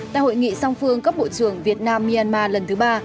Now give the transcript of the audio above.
tại hội nghị song phương cấp bộ trưởng việt nam myanmar lần thứ ba